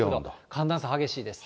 寒暖差激しいです。